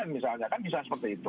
misalnya kan bisa seperti itu